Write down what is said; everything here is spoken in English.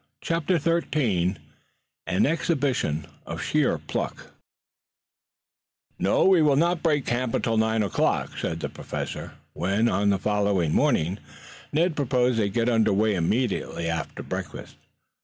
CHAPTER XIII AN EXHIBITION OF SHEER PLUCK "No, we will not break camp until nine o'clock," said the Professor when, on the following morning, Ned proposed that they get under way immediately after breakfast.